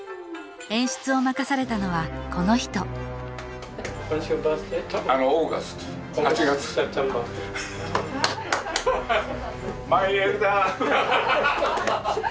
演出を任されたのはこの人アハハハッ。